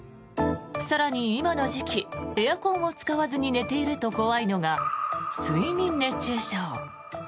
更に今の時期エアコンを使わずに寝ていると怖いのが睡眠熱中症。